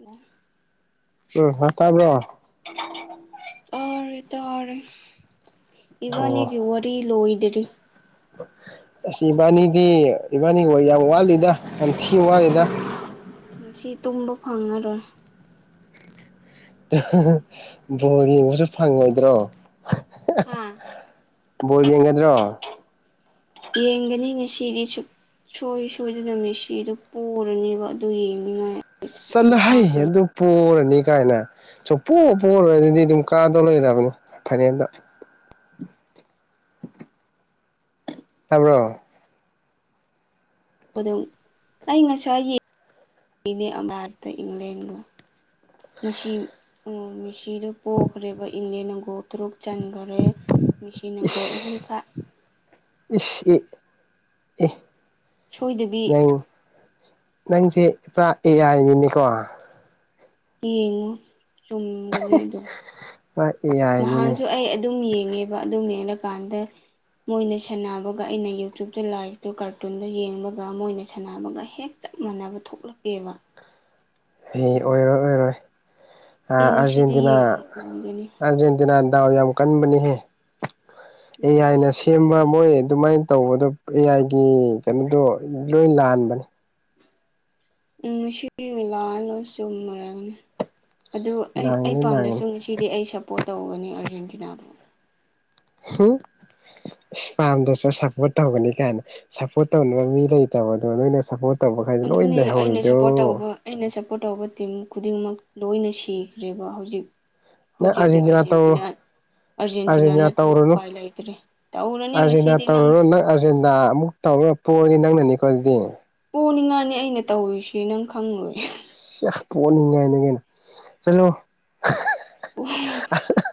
ꯑ ꯑꯣ ꯍ ꯇꯕ꯭ꯔꯣ [unintelligible] ꯇꯥꯔꯦ ꯇꯥꯔꯦ ꯏꯕꯥꯅꯤꯒꯤ ꯋꯥꯔꯤ ꯂꯣꯏꯗ꯭ꯔꯤ ꯑꯣ ꯑꯁ ꯏꯕꯥꯅꯤꯗꯤ ꯏꯕꯥꯅꯤ ꯍ ꯌꯥꯝ ꯋꯥꯠꯂꯤꯗ ꯌꯥꯝ ꯊꯤꯅ ꯋꯥꯠꯂꯤꯗ ꯉꯁꯤ ꯇꯨꯝꯕ ꯐꯪꯉꯔꯣꯏ ꯕꯣꯔ ꯌꯦꯡꯕꯁꯨ ꯐꯪꯉꯣꯏꯗ꯭ꯔꯣ ꯍꯥꯥ ꯕꯣꯏ ꯌꯦꯡꯒꯗ꯭ꯔꯣ ꯌꯦꯒꯅꯤ ꯏ ꯉ ꯁꯤꯔꯤ ꯆꯨ ꯁꯣꯏ ꯁꯣꯏꯗꯅ ꯃꯦꯁꯤꯗꯨ ꯄꯣꯔꯅꯦꯕ ꯑꯗꯨ ꯌꯦꯡꯅꯤꯡꯉꯥꯏ ꯑꯩ ꯈꯥꯡꯕꯗ ꯆꯂꯍꯥꯏꯌꯦ ꯑꯗꯨ ꯄꯔꯅꯤ ꯀꯥꯏꯅ ꯁꯨꯝ ꯄꯣ ꯄꯣꯏ ꯑꯗꯨꯗꯤ ꯑꯗꯨꯝ ꯀꯥꯗꯧ ꯂꯩꯔꯕꯅꯤ ꯐꯥꯏꯅꯦꯜꯗ ꯅꯥ꯭ꯔꯣ ꯑꯗꯨ ꯑꯩ ꯉꯁꯥꯏ ꯌꯦꯡꯅꯦ ꯑꯚꯥꯔꯠꯇ ꯏꯪꯂꯦꯟꯒ ꯅꯁꯤꯝ ꯑꯣ ꯃꯦꯁꯤꯗꯣ ꯄꯣꯈ꯭ꯔꯦꯕ ꯏꯪꯂꯦꯅꯒꯣ ꯇꯔꯨꯛ ꯆꯟꯈꯔꯦ ꯃꯤꯦꯁꯤ ꯑꯪꯒꯣꯜ ꯏꯁ ꯑꯍꯨꯝꯈꯥ ꯏꯁ ꯏ ꯏ ꯁꯣꯏꯗꯕꯤ ꯅꯪꯁꯦ ꯏ ꯄꯨꯔꯥ ꯑꯦ ꯍꯥꯏꯥꯏꯅꯤꯅꯤꯀꯣ ꯌꯦꯡꯉꯨ ꯆꯨꯝꯒꯅꯤ ꯑꯗꯣ ꯍ ꯑꯦ ꯑꯥꯏꯅꯤꯅꯦ ꯅꯍꯥꯟꯁꯨ ꯑꯩ ꯑꯗꯨꯝ ꯌꯦꯡꯉꯦꯕ ꯑꯗꯨꯝ ꯌꯦꯡꯉꯀꯥꯟꯗ ꯃꯣꯏꯅ ꯁꯥꯟꯅꯕꯒ ꯑꯩꯅ ꯌꯨꯇ꯭ꯌꯨꯕꯇ ꯂꯥꯏꯞꯇꯣ ꯀꯥꯔꯇꯨꯟꯗ ꯌꯦꯡꯕꯒ ꯃꯣꯏꯅ ꯁꯥꯟꯅꯕꯒ ꯍꯦꯛ ꯆꯞ ꯃꯥꯟꯅꯕ ꯊꯣꯛꯂꯛꯀꯦꯕ ꯐꯩ ꯅꯍꯥꯟ ꯑꯣꯏꯔꯣꯏ ꯑꯣꯏꯔꯣꯏ ꯑꯩ ꯉꯁꯤꯗꯤ ꯑꯔꯖꯦꯟꯇꯤꯅꯥ ꯌꯦꯡꯉ ꯎꯒꯅꯤ ꯑꯔꯖꯦꯟꯇꯤꯅꯥ ꯌꯥꯝ ꯀꯟꯕꯅꯤꯍꯦ ꯑꯦ ꯃꯗꯥꯎ ꯌꯥꯥꯏꯅ ꯌꯥꯝ ꯁꯦꯝꯕ ꯀꯜꯂꯦ ꯃꯣꯏ ꯑꯗꯨꯃꯥꯏꯅ ꯇꯧꯕꯗꯣ ꯑꯦ ꯑꯥꯏꯒꯤ ꯀꯩꯅꯣꯗꯣ ꯂꯣꯏ ꯂꯥꯟꯕꯅꯦ ꯎꯝ ꯉꯁꯤ ꯂꯥꯑ ꯂꯣꯏ ꯆꯨꯝꯃꯔꯒꯅꯤ ꯑꯗꯨ ꯑꯩ ꯑꯩ ꯂꯥꯟꯒꯅꯤ ꯄꯥꯝꯗ꯭ꯔꯁꯨ ꯂꯥꯟꯒꯅꯤ ꯉꯁꯤ ꯁꯤꯗꯤ ꯑꯩ ꯁꯞꯄꯣꯔꯠ ꯇꯧꯒꯅꯤ ꯑꯔꯖꯦꯟꯇꯤꯅꯥꯗꯣ ꯍꯝ ꯏꯁ ꯄꯥꯝꯗꯁꯨ ꯁꯞꯄꯣꯔꯠ ꯇꯧꯒꯅꯤ ꯀꯥꯏꯅ ꯁꯞꯄꯣꯔꯠ ꯇꯧꯅꯕ ꯃꯤ ꯂꯩꯇꯕꯗꯣ ꯅꯣꯏꯅ ꯁꯄꯣꯔꯠ ꯇꯧꯕꯈꯥꯏꯗ ꯂꯣꯏ ꯑꯗꯨꯅꯦ ꯑꯩꯅ ꯂꯩꯍꯧꯔꯔꯤꯗꯣ ꯁꯞꯄꯣꯔꯠ ꯇꯧꯕ ꯑꯩꯅ ꯁꯞꯄꯣꯔꯠ ꯇꯧꯕ ꯇꯤꯝ ꯈꯨꯗꯤꯡꯃꯛ ꯂꯣꯏꯅ ꯁꯤꯈ꯭ꯔꯦꯕ ꯍꯧꯖꯤꯛ ꯅꯪ ꯍꯧꯖꯤꯛꯇꯀꯤ ꯇꯧꯔꯣ ꯑꯥꯔꯖꯦꯟꯇꯤꯅꯥ ꯑꯔꯖꯦꯟꯇꯤꯅꯥ ꯑꯥꯔꯖꯦꯟꯇꯤꯅꯥ ꯅꯠꯇꯅ ꯇꯧꯔꯨꯅꯨ ꯎꯄꯥꯏ ꯂꯩꯇ꯭ꯔꯦ ꯇꯛꯎꯔꯅꯤ ꯉꯁꯤꯗꯤ ꯅ ꯀꯣ ꯅꯪ ꯑꯔꯖꯦꯟꯗꯥ ꯑꯃꯨꯛ ꯇꯧꯔꯒ ꯄꯣꯛꯒꯦ ꯅꯪꯅꯅꯤꯀꯣ ꯑꯗꯨꯗꯤ ꯄꯅꯤꯉꯥꯅꯤ ꯑꯩꯅ ꯇꯧꯔꯤꯨꯁꯤ ꯅꯪ ꯈꯪꯂꯨꯔꯦ ꯑ ꯌꯥꯝ ꯄꯣꯛꯅꯤꯡꯉꯥꯏꯅ ꯀꯩꯅ ꯆꯠꯂꯣ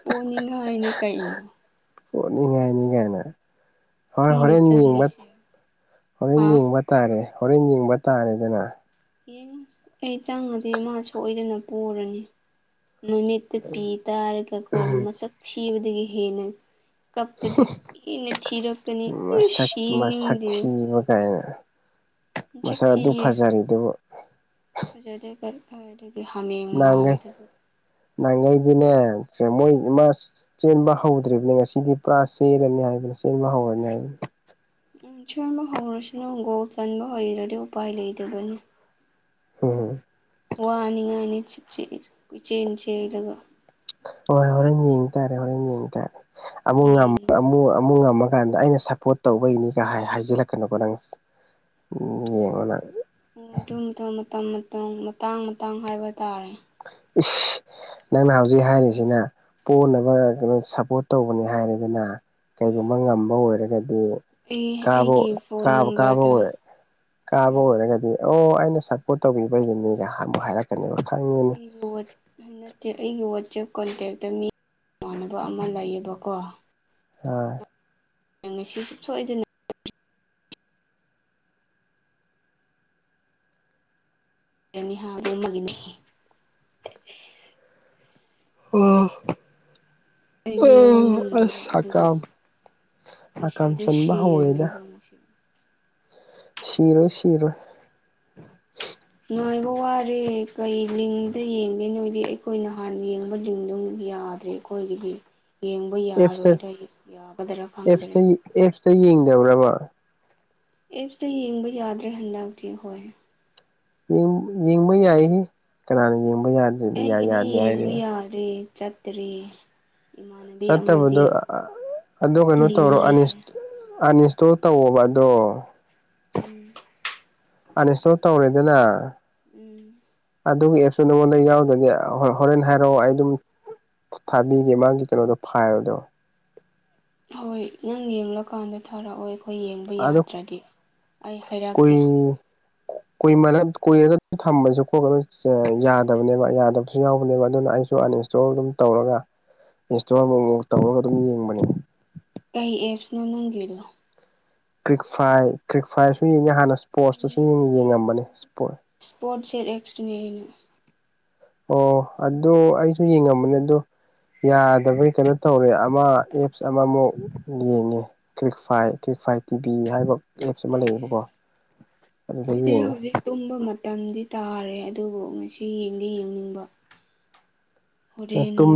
ꯄꯣꯛꯅꯤꯡꯉꯥꯏꯅꯤ ꯀꯛꯏꯅꯤ ꯑꯣꯅꯤꯡꯉꯥꯏꯅꯤꯉꯥꯏꯅ ꯍꯣꯏ ꯑꯩꯅ ꯍꯣꯔꯦꯟ ꯌꯦꯡꯕ ꯆꯪꯉꯤꯁꯦ ꯍꯣꯔꯦꯟ ꯍꯥ ꯌꯦꯡꯕ ꯇꯥꯔꯦ ꯍꯣꯔꯦꯟ ꯌꯦꯡꯕ ꯇꯥꯔꯦꯗꯅ ꯌꯦ ꯑꯩ ꯆꯪꯉꯗꯤ ꯃꯥ ꯁꯣꯏꯗꯅ ꯄꯨꯔꯅꯤ ꯃꯃꯤꯠꯇ ꯄꯤ ꯇꯥꯔꯒꯀꯣ ꯃꯁꯛ ꯊꯤꯕꯗꯒꯤ ꯍꯦꯟꯅ ꯀꯞꯄꯗꯤ ꯊꯅ ꯊꯤꯔꯛꯀꯅꯤ ꯑ ꯃꯁꯛ ꯃꯁꯛ ꯌꯦꯡꯅꯤꯡꯗꯦ ꯊꯤꯕ ꯀꯥꯏꯅ ꯆ ꯃꯁꯛ ꯑꯗꯨ ꯊ ꯐꯖꯔꯤꯗꯨꯕꯨ ꯊꯖꯗꯔ ꯐ ꯍ ꯃꯥꯂꯗ ꯅꯒꯥꯥꯏꯗꯅꯦ ꯃꯣꯏ ꯏꯃꯥꯁ ꯆꯦꯟꯕ ꯍꯧꯗ꯭ꯔꯤꯕꯅꯦ ꯉꯁꯤꯗꯤ ꯄꯨꯔꯥ ꯆꯦꯜꯂꯅꯤ ꯍꯥꯏꯕꯅꯤ ꯆꯦꯟꯕ ꯍꯧꯔꯅꯤ ꯍꯥꯏꯕꯅꯤ ꯆꯕ ꯍꯪꯔꯁꯅꯒꯣ ꯆꯟꯕ ꯍꯔꯗꯤ ꯎꯄꯥꯏ ꯂꯩꯗꯦꯕꯅꯤ ꯍꯣꯏꯣꯏ ꯋꯥꯅꯤꯡꯉꯥꯏꯅꯤ ꯏꯆꯦ ꯏ ꯆꯦꯂꯒ ꯍꯣꯏ ꯍꯣꯏ ꯍꯣꯔꯦꯟ ꯌꯦꯡ ꯇꯥꯔꯦ ꯍꯣꯔꯦꯟ ꯌꯦꯡ ꯇꯥꯔꯦ ꯑꯃꯨꯛ ꯌꯦꯡꯉꯤ ꯑꯃꯨ ꯑꯃꯨꯛ ꯉ ꯀꯝꯗ ꯑꯩꯅ ꯁꯞꯄꯣꯔꯠ ꯇꯧꯕꯩꯅꯤꯒ ꯍꯥꯏꯖꯜꯂꯛꯀꯅꯀꯣ ꯅꯪ ꯌꯦꯡꯉꯣꯅ ꯑꯣ ꯑꯗꯨ ꯃꯊ ꯃꯇꯝ ꯃꯇꯝ ꯃꯇꯥꯡ ꯃꯇꯥꯡ ꯍꯥꯏꯕ ꯇꯥꯔꯦ ꯏ ꯅꯪꯅ ꯍꯧꯖꯤꯛ ꯍꯥꯏꯔꯤꯁꯤꯅ ꯄꯣꯟꯅꯕ ꯀꯩꯅꯣ ꯁꯞꯄꯣꯔꯠ ꯇꯧꯕꯅꯤ ꯍꯥꯏꯔꯤꯗꯅ ꯎꯝ ꯀꯩꯒꯨꯝꯕ ꯉꯝꯕ ꯑꯣꯏꯔꯒꯗꯤ ꯑꯩ ꯀꯥꯕ ꯑꯩꯒꯤ ꯐꯣꯟ ꯀꯥꯕ ꯀꯥꯕ ꯅꯝꯕꯔꯗ ꯑꯣꯏꯦ ꯀꯥꯕ ꯎꯝ ꯑꯣꯏꯔ ꯍꯥꯏꯗꯤ ꯑꯣ ꯑꯩꯅ ꯁꯞꯄꯣꯔꯠ ꯇꯧꯕꯤꯕꯒꯤꯅꯤꯒꯕꯨ ꯍꯥꯏꯔꯛꯀꯅꯦꯕ ꯈꯪꯉꯦ ꯑꯩꯒꯤ ꯋꯥ ꯅꯠꯇꯦ ꯑꯩꯒꯤ ꯋꯥꯆꯦꯞ ꯀꯣꯟꯇꯦꯛꯇ ꯃꯤꯃꯥꯟꯅꯕ ꯑꯃ ꯂꯩꯌꯦꯕꯀꯣ ꯎꯝ ꯉꯁꯤ ꯁꯨꯞꯁ ꯁꯣꯏꯏꯗꯅ ꯅꯤꯍꯥꯒꯨꯝꯃꯅꯤ ꯑꯣ ꯑꯩꯗꯨ ꯑꯣ ꯑ ꯂꯧꯍꯟꯅꯤꯡꯉꯣꯏꯕ ꯑꯗꯨꯒꯤ ꯁꯀꯝ ꯑꯀꯝ ꯃꯤꯁꯤꯗꯨ ꯆꯟꯕ ꯍꯧꯣꯏꯗ ꯁꯤꯔꯅꯦꯕ ꯉꯁꯤ ꯁꯤꯔꯣꯏ ꯁꯤꯔꯣꯏ ꯅꯨꯡꯉꯥꯏꯕ ꯋꯥꯔꯦ ꯀꯩ ꯂꯤꯡꯗ ꯌꯦꯡꯒꯦ ꯅꯣꯏꯗꯤ ꯑꯩꯈꯣꯏꯅꯍꯥꯟꯅ ꯌꯦꯡꯕ ꯂꯤꯡꯗꯣꯨꯛ ꯌꯥꯗ꯭ꯔꯦ ꯑꯩꯈꯣꯏꯒꯤꯗꯤ ꯌꯦꯡꯕ ꯑꯦꯞꯁꯇ ꯌꯥꯔꯣꯏꯗ꯭ꯔꯥ ꯌꯥꯒꯗꯔꯥ ꯐꯪꯗ꯭ꯔꯦ ꯑꯦꯞꯁꯇ ꯑꯦꯞꯁꯇ ꯌꯦꯡꯗꯕ꯭ꯔꯕ ꯑꯦꯞꯁꯇ ꯌꯦꯡꯕ ꯌꯥꯗ꯭ꯔꯦ ꯍꯟꯗꯛꯇꯤ ꯍꯣꯏ ꯌꯦꯡꯕ ꯌꯥꯏꯍ ꯀꯅꯥꯅ ꯌꯦꯡꯕ ꯌꯥꯗꯦ ꯌꯥꯗ꯭ꯔꯤꯕ ꯑꯩꯒꯤꯗꯤ ꯌꯦꯡꯕ ꯍꯥꯏꯔꯤꯕ ꯌꯥꯔꯦ ꯆꯠꯇ꯭ꯔꯔꯤ ꯆꯠꯇꯕꯗꯣ ꯑ ꯀꯩꯅꯣ ꯂꯤꯡ ꯇꯧꯔꯣ ꯂꯩ ꯑꯅꯤꯁ ꯍꯥꯏ ꯑꯅꯤꯁꯇꯣ ꯇꯧꯕ ꯑꯗꯣ ꯎꯝ ꯑꯥꯅꯤꯁꯇꯣ ꯇꯧꯔꯦꯗꯅ ꯎꯝ ꯑꯗꯨꯒꯤ ꯑꯦꯞꯁꯨ ꯅꯉꯣꯟꯗ ꯌꯥꯎꯗꯒꯦ ꯍꯣꯔꯦꯟ ꯍꯥꯏꯔꯛꯑꯣ ꯑꯩ ꯑꯗꯨꯝ ꯊꯥꯕꯤꯒꯦ ꯃꯥꯒꯤ ꯀꯩꯅꯣꯗꯣ ꯐꯥꯏꯜꯗꯣ ꯍꯣꯏ ꯅꯪ ꯌꯦꯡꯂꯀꯥꯟꯗ ꯊꯥꯔꯛꯑꯣ ꯑꯩꯈꯣꯏ ꯌꯦꯡꯕ ꯑꯗꯣ ꯌꯥꯗ꯭ꯔꯗꯤ ꯑꯩ ꯍꯥꯏꯔꯛꯀꯦ ꯀꯨꯏ [inaudible] ꯀꯨꯏꯔꯒ ꯊꯝꯕꯁꯨ ꯈꯣꯠꯄ ꯌꯥꯗꯕꯅꯦꯕ ꯌꯥꯗꯕꯁꯨ ꯌꯥꯎꯕꯅꯦꯕ ꯑꯗꯨꯅ ꯑꯩꯁꯨ ꯏꯟꯁꯇꯣꯜ ꯑꯗꯨꯝ ꯇꯧꯔꯒ ꯏꯟꯁꯇꯣꯜ ꯑꯃꯨꯛꯃꯨꯛ ꯇꯧꯔꯒ ꯑꯗꯨꯝ ꯌꯦꯡꯕꯅꯤ ꯀꯩ ꯑꯦꯞꯁꯅꯣ ꯅꯪꯒꯤꯅꯣ ꯀ꯭ꯔꯤꯛ ꯐꯥꯏ ꯀ꯭ꯔꯤꯛ ꯐꯥꯏꯁꯨ ꯌꯦꯡꯉꯦ ꯍꯥꯟꯅ ꯏꯁ꯭ꯄꯣꯔꯠꯁꯇꯁꯨ ꯌꯦꯡꯉꯝꯕꯅꯦ ꯁꯄꯣꯔꯠ ꯁ꯭ꯄꯣꯔꯠꯁꯦꯠ ꯑꯦꯛꯁꯇ꯭ꯅꯦ ꯍꯥꯏꯩꯅ ꯑꯣ ꯑꯗꯨꯣ ꯑꯩꯁꯨ ꯌꯦꯡꯉꯝꯕꯅꯦ ꯑꯗꯣ ꯌꯥꯗꯕꯒꯤ ꯀꯩꯅꯣ ꯇꯧꯔꯦ ꯑꯃ ꯑꯦꯞꯁ ꯑꯃꯃꯨꯛ ꯌꯦꯡꯉꯦ ꯀ꯭ꯋ ꯐꯥꯏ ꯀ꯭ꯋꯛ ꯐꯥꯏ ꯇꯤꯚꯤ ꯍꯥꯏꯕ ꯑꯦꯞꯁ ꯑꯃ ꯂꯩꯌꯦꯕꯀꯣ ꯑꯗꯨꯗ ꯑꯩꯗꯤ ꯌꯦꯡꯉꯦ ꯍꯧꯖꯤꯛ ꯇꯨꯝꯕ ꯃꯇꯝꯗꯤ ꯇꯥꯔꯦ ꯑꯗꯨꯕꯨ ꯉꯁꯤ ꯌꯦꯡꯗꯤ ꯌꯦꯡꯅꯤꯡꯕ ꯍꯣꯔꯦꯟ ꯇꯨꯝ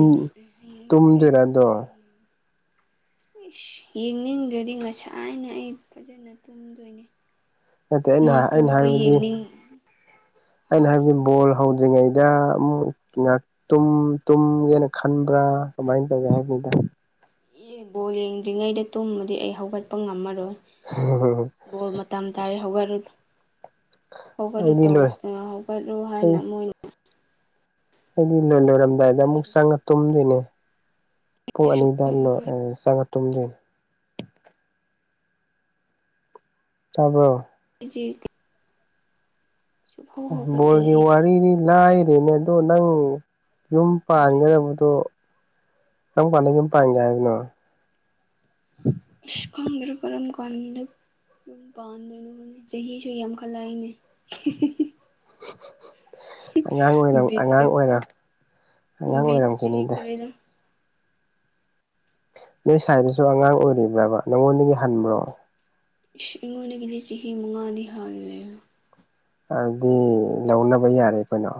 ꯍꯣꯔ ꯇꯨꯝꯗꯣꯏꯔ ꯑꯗꯣ ꯅꯇꯩ ꯏꯁ ꯌꯦꯡꯅꯤꯡꯗ꯭ꯔꯗꯤ ꯉꯁꯥꯏꯅ ꯑꯩ ꯐꯖꯅ ꯇꯨꯝꯗꯣꯏꯅꯤ ꯅꯠꯇꯦ ꯑꯩꯅ ꯑꯩꯅ ꯍꯥꯏꯕꯗꯤ ꯍꯥ ꯑꯩꯅ ꯍꯥꯏꯕꯗꯤ ꯣ ꯍ ꯍꯧꯗ꯭ꯔꯤꯉꯩꯗ ꯇꯨꯝꯒꯦꯅ ꯈꯟꯕ꯭ꯔꯥ ꯀꯃꯥꯏꯅ ꯇꯧꯒꯦ ꯍꯥꯏꯕꯅꯤꯗ ꯑꯦ ꯕꯣꯜ ꯌꯦꯡꯗ꯭ꯔꯤꯉꯩꯗ ꯇꯨꯝꯃꯗꯤ ꯑꯩ ꯍꯧꯒꯠꯄ ꯉꯝꯃꯔꯣꯏ ꯍ ꯍ ꯍ ꯕꯣꯜ ꯃꯇꯝ ꯇꯥꯔꯦ ꯍꯧꯒꯠꯂꯨ ꯑꯩꯗꯤ ꯂꯣꯏ ꯂ ꯍꯧꯒꯠꯂꯨ ꯍꯥꯏꯅ ꯃꯣꯏꯅ ꯑꯗꯨ ꯏꯔꯝ ꯑꯗꯨꯗꯥꯏꯗ ꯑꯃꯨꯛ ꯍꯥꯏꯔꯁꯨ ꯆꯪꯉ ꯇꯨꯝꯗꯣꯏꯅꯦ ꯄꯨꯡ ꯁꯨꯛꯍꯧ ꯑꯅꯤꯗꯂꯣ ꯍꯧꯒꯠ ꯆꯪꯉ ꯇꯨꯝꯗꯣꯏꯅꯦ ꯇꯕꯣ ꯖꯤ ꯕꯣꯔꯒꯤ ꯑꯩꯗꯤ ꯋꯥꯔꯤꯗꯤ ꯂꯥꯏꯔꯦꯅꯦ ꯑꯗꯣ ꯅꯪ ꯌꯨꯝ ꯀꯔꯤ ꯄꯥꯟꯒꯗꯕꯗꯣ ꯅꯪ ꯄꯥꯟꯒꯝ ꯄꯥꯏ ꯌꯥ ꯍꯥꯏꯅꯣ ꯏꯁ ꯈꯣꯡꯗ꯭ꯔ ꯀꯔꯝ ꯀꯟꯗ ꯌꯨꯝ ꯄꯥꯟꯗꯣꯏꯅꯣꯅꯤ ꯆꯍꯤꯁꯨ ꯌꯥꯝꯈꯠꯂꯛꯏꯅꯦ ꯑꯉꯥꯡ ꯑꯣꯏꯔ ꯑꯉꯥꯡ ꯕꯤꯠꯀ ꯑꯣꯏꯔꯝ ꯑꯉꯥꯡ ꯕꯤꯠꯇꯤ ꯑꯣꯏꯔꯝꯈꯤꯦꯅꯦ ꯏꯗ ꯀꯔꯤꯔ ꯅꯣꯏ ꯁ꯭ꯋꯥꯏꯗꯁꯨ ꯑꯉꯥꯡ ꯑꯣꯏꯔꯤꯕ꯭ꯔꯕ ꯅꯪꯉꯣꯟꯗꯒꯤ ꯍꯟꯕ꯭ꯔꯣ ꯏꯁ ꯑꯩꯉꯣꯟꯗꯒꯤꯗꯤ ꯆꯍꯤ ꯃꯉꯥꯗꯤ ꯍꯜꯂꯦ ꯑꯗꯨꯗꯤ ꯂꯧꯅꯕ ꯌꯥꯔꯦ ꯑꯩꯈꯣꯏꯩꯅꯣ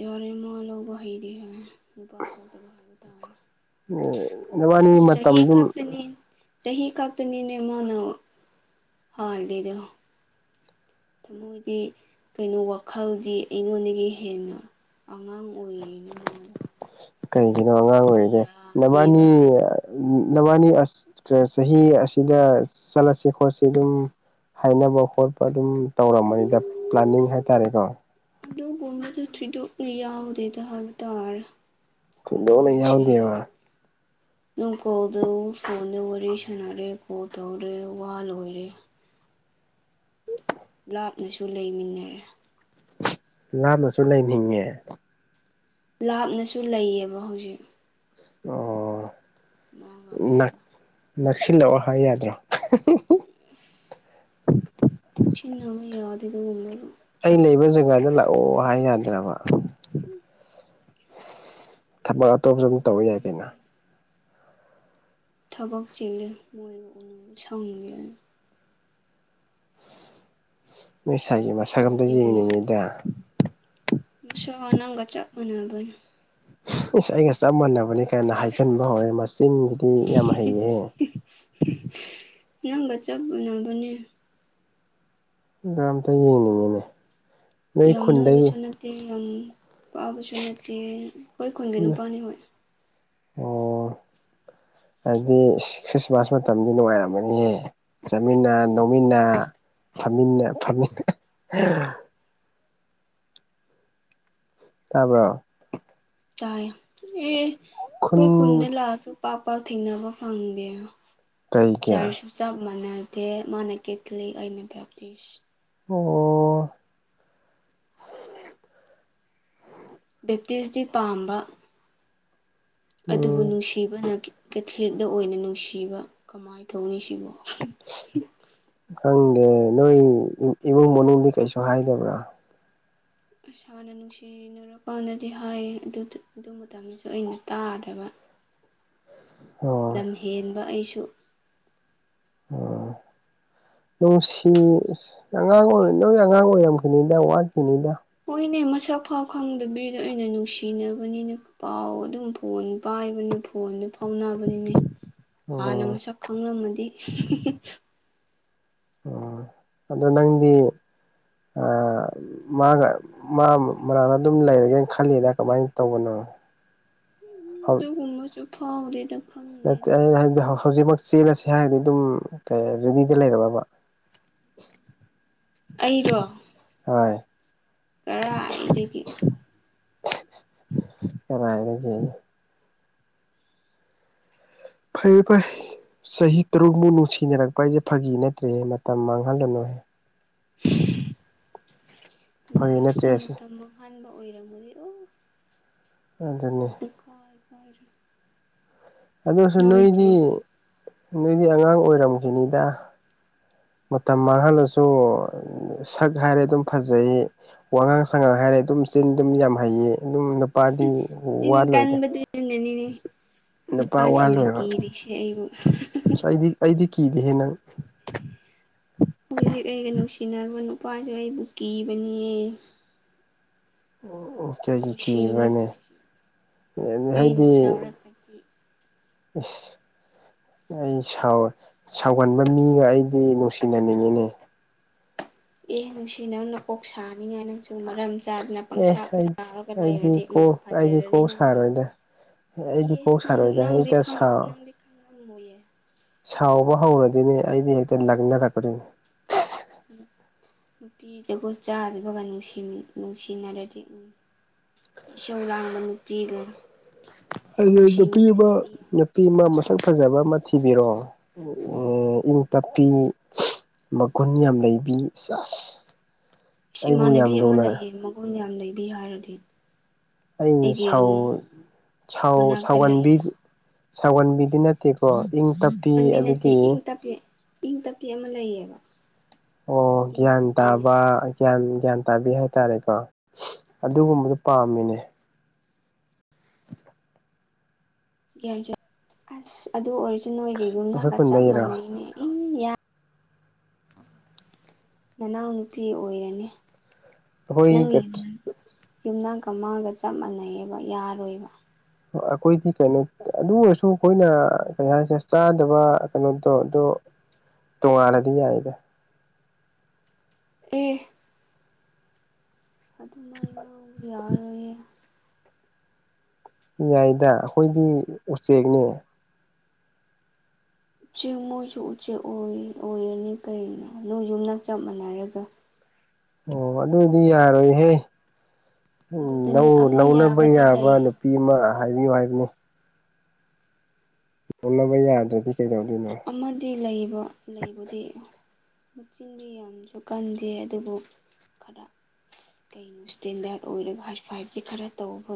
ꯌꯥꯔꯦꯃ ꯂꯧꯕ ꯍꯩꯔ ꯍꯥꯏ ꯅꯨꯄꯥ ꯊꯣꯛꯇꯕ ꯍꯥꯏꯕ ꯇꯥꯔꯦ ꯃ ꯅꯕꯥꯅꯤ ꯆ ꯍ ꯃꯇꯝꯗꯨꯝ ꯍꯥꯞꯂꯅꯤ ꯆꯍꯤ ꯈꯛꯇꯅꯤꯅꯦ ꯃꯥꯅ ꯍꯗꯦꯗ ꯊꯃꯣꯏꯗꯤ ꯀꯩꯅꯣ ꯋꯥꯈꯜꯗꯤ ꯑꯩꯉꯣꯟꯗꯒꯤ ꯍꯦꯟꯅ ꯑꯉꯥꯡ ꯑꯣꯏꯔꯤꯅꯤ ꯃꯥꯗ ꯀꯩꯒꯤꯅꯣ ꯑꯉꯥꯡ ꯑꯣꯏꯔꯤꯒꯦ ꯌꯥꯗꯦꯕ ꯅꯕꯥꯅꯤ ꯅꯕꯥꯅꯤ ꯆꯍꯤ ꯑꯁꯤꯗ ꯆꯠꯂꯁꯤ ꯈꯣꯠꯂꯁꯤ ꯑꯗꯨꯝ ꯍꯥꯏꯅꯕ ꯈꯣꯠꯄ ꯑꯗꯨꯝ ꯇꯧꯔꯝꯕꯅꯤꯗ ꯄ꯭ꯂꯥꯟꯅꯤꯡ ꯍꯥꯏꯇꯥꯔꯦꯀꯣ ꯑꯗꯨꯒ ꯣꯕꯁꯨ ꯊꯣꯏꯗꯣꯛꯅ ꯌꯥꯎꯗꯦꯗ ꯍꯥꯏꯕ ꯇꯥꯔꯦ ꯆꯗꯣꯅ ꯌꯥꯎꯗꯕ ꯅꯨꯡ ꯀꯣꯜꯗ ꯐꯣꯟꯗ ꯋꯥꯔꯤ ꯁꯥꯟꯅꯔꯦ ꯀꯣꯜ ꯇꯧꯔꯦ ꯋꯥ ꯂꯣꯏꯔꯦ ꯂꯥꯞꯅꯁꯨ ꯂꯩꯃꯤꯟꯅꯔꯦ ꯂꯥꯃꯁꯨ ꯂꯩꯅꯤꯡꯉꯦ ꯂꯥꯞꯅꯁꯨ ꯂꯩꯌꯦꯕ ꯍꯧꯖꯤꯛ ꯑꯣ ꯃꯥꯒ ꯑꯩꯒ ꯅꯛꯁꯤꯜꯂꯛꯑꯣ ꯍꯥꯏ ꯌꯥꯗ꯭ꯔꯣ ꯅꯥꯕꯨ ꯌꯥꯗ ꯏꯗ ꯉꯨꯝꯃ ꯇ ꯑꯩ ꯂꯩꯕ ꯖꯒꯥꯗꯨ ꯂꯥꯛꯑꯣ ꯍꯥꯏ ꯌꯥꯗ꯭ꯔꯕ ꯊꯕꯛ ꯑꯇꯣꯞꯄꯁꯨ ꯑꯗꯨꯝ ꯇꯧꯧꯕ ꯌꯥꯏ ꯀꯩꯅꯣ ꯂꯥꯛꯍꯟꯅꯤꯡꯗꯦ ꯊꯕꯛ ꯆꯦꯜꯂ ꯃꯣꯏꯕꯨ ꯎꯅꯕꯨ ꯁꯥꯎꯟꯕꯤꯏ ꯃꯩꯁꯒꯤ ꯃ ꯁꯥꯒ꯭ꯔꯝꯗ ꯃꯥꯗꯤ ꯌꯦꯦꯡ ꯅꯉꯏꯗ ꯃꯁꯥꯅꯒꯆꯥ ꯃꯅꯕ ꯏꯁ ꯑꯩꯒ ꯆꯞ ꯃꯥꯟꯅꯕꯅꯤ ꯀꯥꯏꯅ ꯍꯥꯏꯒꯟꯕ ꯍꯧꯔꯦ ꯃꯆꯤꯟꯁꯤꯗꯤ ꯌꯥꯝ ꯍꯩꯑꯦꯍ ꯅꯪꯒ ꯆꯞꯅꯕꯅꯦ ꯗꯝꯇ ꯌꯦꯡꯅꯤꯡꯉꯤꯅꯦ ꯅꯣꯏ ꯌꯥꯝ ꯈꯨꯟꯗꯒꯤ ꯅꯣꯏꯕꯁꯨ ꯅꯠꯇꯦ ꯌꯥꯝ ꯄꯥꯕꯁꯨ ꯅꯠꯇꯦ ꯑꯩꯣꯏ ꯈꯨꯟꯒꯤ ꯅꯨꯄꯥꯅꯤ ꯍꯣꯏ ꯑꯣ ꯍꯥꯏꯗꯤ ꯈ꯭ꯔꯤꯁꯃꯥꯁ ꯃꯇꯝꯗꯤ ꯅꯨꯡꯉꯥꯏꯔꯝꯒꯅꯤꯍꯦ ꯆꯠꯃꯤꯟꯅ ꯅꯣꯡꯃꯤꯟꯅ ꯐꯝꯃꯤꯟꯅ ꯐꯝꯃꯤꯟꯅ ꯇꯥꯕ꯭ꯔꯣ ꯆꯥ ꯑꯦ ꯈꯨꯟ ꯀꯣꯏ ꯀꯨꯝꯟꯗ ꯂꯥꯥꯁ ꯄꯥꯛ ꯄꯥꯛ ꯊꯦꯡꯅꯕ ꯐꯪꯗꯦ ꯀꯩ ꯀꯌꯥ ꯆꯥꯔꯁꯨ ꯁ ꯃꯅꯗꯦ ꯃꯥꯅ ꯀꯦꯊꯂꯤ ꯑꯩꯅ ꯕꯞꯇꯤꯁ ꯑꯣ ꯕꯦꯞꯇꯤꯁꯇꯤ ꯄꯥꯝꯕ ꯑꯗꯨꯕꯨ ꯎꯝ ꯅꯨꯡꯁꯤꯕꯅ ꯀꯦꯊꯂꯤꯗ ꯑꯣꯏꯅ ꯅꯨꯡꯁꯤꯕ ꯀꯃꯥꯏ ꯇꯧꯅꯤ ꯁꯤꯕꯣ ꯈꯪꯗꯦ ꯅꯣꯏ ꯏꯃꯨꯡ ꯃꯅꯨꯡꯗꯤ ꯀꯩꯁꯨ ꯍꯥꯏꯗꯕ꯭ꯔꯥ ꯑꯁꯥꯅ ꯅꯨꯡꯁꯤꯅꯔ ꯀꯥꯎꯟꯗꯗꯤ ꯍꯥꯏꯌꯦ ꯑꯗꯨ ꯃꯇꯝꯗꯁꯨ ꯑꯩꯅ ꯇꯥꯗꯕ ꯑꯣ ꯂꯝ ꯍꯦꯟꯕ ꯑꯩꯁꯨ ꯎꯝ ꯅꯨꯡꯁꯤ ꯑꯉꯥꯡ ꯑꯣꯏ ꯅꯣꯏ ꯑꯉꯥꯡ ꯑꯣꯏꯔꯝꯈꯤꯅꯤꯗ ꯋꯥꯠꯈꯤꯅꯤꯗ ꯍꯣꯏꯅꯦ ꯃꯁꯛ ꯐꯥꯎ ꯈꯪꯗꯕꯤꯗ ꯑꯩꯅ ꯅꯨꯡꯁꯤꯅꯕꯅꯤꯅ ꯄꯥꯎ ꯑꯗꯨꯝ ꯐꯥꯎ ꯐꯣꯟ ꯄꯥꯏꯕꯅ ꯐꯣꯟꯗ ꯐꯥꯎꯅꯕꯅꯤꯅꯦ ꯍꯥꯟꯅ ꯑꯣ ꯃꯁꯛ ꯈꯪꯂꯝꯃꯗꯤ ꯑꯣ ꯑꯗꯣ ꯅꯪꯗꯤ ꯃꯥꯒ ꯃꯥ ꯃꯅꯥꯛꯇ ꯑꯗꯨꯝ ꯂꯩꯔꯒꯦꯅ ꯈꯜꯂꯤꯅ ꯀꯃꯥꯏꯅ ꯇꯧꯕꯅꯣ ꯎꯕ ꯆꯐꯥꯎꯗꯦꯗ ꯅꯠꯇꯦ ꯑꯩꯅ ꯍꯥꯏꯕꯗꯤ ꯍꯧꯖꯤꯛꯃꯛ ꯆꯦꯜꯂꯁꯤ ꯍꯥꯏꯔꯗꯤ ꯑꯗꯨꯝ ꯀ ꯔꯦꯅꯤꯗ ꯂꯩꯔꯕꯝꯃꯕ ꯑꯩꯔꯣ ꯍꯣꯏ ꯀꯔ ꯑꯩꯗꯒꯤ ꯀꯔꯔ ꯐꯩꯌꯦ ꯐꯩ ꯆꯍꯤ ꯇꯔꯨꯛꯃꯨꯛ ꯅꯨꯡꯁꯤꯅꯔꯛꯄ ꯍꯥꯏꯁꯦ ꯐꯥꯒꯤ ꯅꯠꯇ꯭ꯔꯦꯍꯦ ꯃꯇꯝ ꯃꯥꯡꯍꯜꯂꯅꯨꯍꯦ ꯐꯥꯒꯤ ꯅꯠꯇ꯭ꯔꯦ ꯂꯥꯁꯇ ꯑꯁꯤ ꯃꯇꯝ ꯃꯥꯡꯍꯥꯟꯕ ꯑꯣꯏꯔꯝꯃꯨꯗꯤ ꯑꯣ ꯑꯗꯨ ꯑꯗꯨꯅꯦ ꯀꯥ ꯑꯣꯏꯔ ꯑꯗꯨꯁꯨ ꯅꯣꯏꯗꯤ ꯅꯣꯏꯗꯤ ꯑꯉꯥꯡ ꯑꯣꯏꯔꯝꯈꯤꯅꯤꯗ ꯃꯇꯝ ꯃꯥꯡꯍꯜꯂꯁꯨ ꯁꯛ ꯍꯥꯏꯔꯦ ꯑꯗꯨꯝ ꯐꯖꯩ ꯑꯉꯥꯡ ꯁꯉꯥꯡ ꯍꯥꯏꯔꯦ ꯑꯗꯨꯝ ꯆꯤꯟ ꯑꯗꯨꯝ ꯌꯥꯝ ꯍꯩꯌꯦ ꯑꯗꯨꯝ ꯄꯅꯤ ꯆꯤꯟ ꯋꯥꯂꯣꯏꯗ ꯀꯟꯕꯗꯨꯅꯅꯤꯅꯦ ꯅꯨꯄꯥꯁꯤꯡꯅ ꯀꯤꯔꯤꯁꯦ ꯑꯩꯕꯨ ꯑ ꯑꯩꯗꯤ ꯑꯩꯗꯤ ꯀꯤꯗꯤꯦ ꯍꯦꯟꯅꯪ ꯍꯧꯖꯤꯛ ꯑꯩꯒ ꯅꯨꯡꯁꯤꯅꯔꯕ ꯅꯨꯄꯥꯁꯨ ꯑꯩꯕꯨ ꯀꯤꯕꯅꯤꯌꯦ ꯑꯣ ꯀꯩꯒꯤꯩ ꯈꯨꯁꯤꯅꯦ ꯀꯤꯕ꯭ꯔꯅꯦ ꯈꯨꯁꯤ ꯑꯩꯅ ꯍꯥꯏꯗꯤ ꯁꯥꯎꯔꯒꯗꯤ ꯎ ꯑꯩ ꯁꯥꯎ ꯁꯥꯎꯒꯟꯕ ꯃꯤꯒ ꯑꯩꯗꯤ ꯅꯨꯡꯁꯤꯅꯅꯤꯡꯉꯤꯅꯦ ꯑꯦ ꯅꯨꯡꯁꯤ ꯅꯪ ꯅꯀꯣꯛ ꯁꯥꯅꯤꯡꯉꯥꯏ ꯅꯪꯁꯨ ꯃꯔꯝ ꯆꯥꯗꯅ ꯑꯦ ꯄꯪꯁꯥꯇ ꯑꯩ ꯁꯥꯔꯒ ꯑꯩꯗꯤ ꯂꯩꯔꯗꯤ ꯎ ꯀꯣꯛ ꯑꯩꯗꯤ ꯐꯖꯔꯅꯤ ꯀꯣꯛ ꯅꯪꯁꯨ ꯁꯥꯔꯣꯏꯗ ꯏ ꯑꯩꯗꯤ ꯀꯣꯛ ꯅꯪ ꯁꯥꯔꯣꯏꯗ ꯅꯪꯗꯤꯪ ꯍꯦꯛꯇ ꯁꯥꯎ ꯅꯪꯗꯤ ꯈꯪ ꯉꯝꯃꯣꯏꯌꯦ ꯁꯥꯎꯕ ꯍꯧꯔꯗꯤꯣꯏꯅꯦ ꯑꯩꯗꯤ ꯍꯦꯛꯇ ꯂꯪꯅꯔꯛꯀꯗꯣꯏꯅꯤ ꯅꯨꯄꯤꯗꯨꯒ ꯆꯥꯗꯕꯒ ꯅꯨꯡꯁꯤꯅꯔꯗꯤ ꯎ ꯏꯆꯧꯔꯥꯡꯕ ꯅꯨꯄꯤꯒ ꯑꯗꯨ ꯅꯨꯄꯤ ꯑꯃ ꯅꯨꯡꯁꯤꯃꯤꯟꯅꯔꯗꯤ ꯌꯥꯏ ꯅꯨꯄꯤ ꯑꯃ ꯅꯪꯁꯨ ꯃꯁꯛ ꯐꯖꯕ ꯑꯃ ꯅꯀꯣꯛ ꯊꯤꯕꯤꯔꯣ ꯁꯥꯒꯅꯤ ꯏꯪ ꯇꯞꯄꯤ ꯃꯒꯨꯟ ꯌꯥꯝ ꯂꯩꯕꯤ ꯆꯁ ꯑꯩꯁ ꯏꯃꯥꯟꯅꯕꯤ ꯑꯃ ꯂꯩꯌꯦ ꯃꯒꯨꯟ ꯌꯥꯝ ꯂꯩꯕꯤ ꯍꯥꯏꯔꯗꯤ ꯑꯩ ꯑꯩꯒꯤ ꯁꯥꯎ ꯔꯨꯝ ꯁ ꯃꯅꯥꯛꯇ ꯁꯥꯎꯒꯕꯤ ꯂꯩꯌꯦ ꯁꯥꯎꯒꯟꯕꯤꯗꯨꯅ ꯅꯠꯇꯦꯀꯣ ꯏꯪ ꯇꯞꯄꯤ ꯁꯣꯒꯟꯕꯤ ꯅꯠꯇꯦ ꯑꯗꯒꯤ ꯏꯪ ꯇꯞꯄꯤ ꯏꯪ ꯇꯞꯄꯤ ꯑꯃ ꯂꯩꯌꯦꯕ ꯑꯣ ꯒ꯭ꯌꯥꯟ ꯏꯃꯥꯟꯅꯕꯤꯅꯦ ꯇꯥꯕ ꯒ꯭ꯌꯥꯟ ꯒ꯭ꯌꯥꯟ ꯇꯥꯕꯤ ꯍꯥꯏꯇꯥꯔꯦꯀꯣ ꯑꯗꯨꯒꯨꯝꯕꯗꯨꯣ ꯄꯥꯝꯃꯤꯅꯦ ꯌꯥꯖ ꯑꯁ ꯑꯗꯨ ꯑꯣꯏꯔꯁꯨ ꯅꯣꯏꯒ ꯑꯩꯈꯣꯏ ꯌꯨꯝꯗꯒ ꯆꯞ ꯈꯨꯟꯗꯒꯤꯔꯣ ꯃꯥꯟꯅꯩꯅꯦ ꯏ ꯌꯥ ꯅꯅꯥꯎꯅꯨꯄꯤ ꯑꯣꯏꯔꯅꯤ ꯑꯩꯈꯣꯏ ꯅꯪꯒꯤ ꯌꯨꯝ ꯌꯨꯝꯅꯥꯛ ꯀꯃꯒ ꯆꯞ ꯃꯥꯟꯅꯩꯑꯕ ꯌꯥꯔꯣꯏꯕ ꯑꯩꯈꯣꯏꯗꯤ ꯀꯩꯅꯣ ꯑꯗꯨ ꯑꯣꯏꯔꯁꯨ ꯑꯩꯈꯣꯏꯅ ꯀꯩ ꯍꯥꯏꯁꯦ ꯆꯥꯗꯕ ꯀꯩꯅꯣꯗꯣ ꯑꯗꯣ ꯇꯣꯡꯉꯅꯅꯤ ꯑꯗ ꯑꯦ ꯑꯗꯨꯃꯥꯏ ꯉꯥꯎꯕ ꯌꯥꯎꯔꯣꯏꯌꯦ ꯌꯥꯏꯗ ꯑꯩꯈꯣꯏꯗꯤ ꯎꯆꯦꯛꯅꯦ ꯎꯆꯦꯛ ꯃꯣꯏꯁꯨ ꯎꯆꯦꯛ ꯑꯣꯏꯔꯅꯤ ꯀꯅꯣ ꯅꯣꯏ ꯌꯨꯝꯗ ꯆꯞ ꯃꯥꯟꯅꯔꯒ ꯑꯣ ꯑꯗꯨꯗꯤ ꯌꯥꯔꯣꯏꯍꯦ ꯑꯗꯨꯗꯅꯦ ꯑꯃ ꯂꯧꯅꯕ ꯌꯥꯕꯗꯤ ꯌꯥꯕ ꯂꯩꯌꯦ ꯅꯨꯄꯤ ꯑꯃ ꯍꯥꯏꯕꯤꯌꯨ ꯍꯥꯏꯕꯅꯤ ꯂꯅꯕ ꯌꯥꯗ꯭ꯔꯗꯤ ꯀꯩꯗꯧꯗꯣꯏꯅꯣ ꯑꯃꯗꯤ ꯂꯩꯕ ꯂꯩꯕꯨꯗꯤ ꯃꯛꯆꯤꯟꯗꯤ ꯌꯥꯝꯁꯨ ꯀꯟꯗꯦ ꯑꯗꯨꯕꯨ ꯈꯔ ꯀꯩꯅꯣ ꯏꯁꯇꯦꯟꯗꯥꯔꯠ ꯑꯣꯏꯔꯒ ꯍꯥꯏ ꯐꯥꯏꯚꯁꯦ ꯈꯔ ꯇꯧꯕ